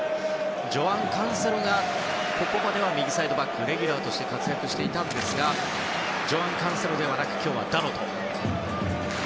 ジョアン・カンセロがここまでは右サイドバックレギュラーとして活躍していたんですがジョアン・カンセロではなく今日はダロト。